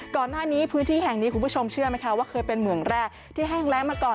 ก่อนหน้านี้พื้นที่แห่งนี้คุณผู้ชมเชื่อไหมคะว่าเคยเป็นเหมืองแร่ที่แห้งแรงมาก่อน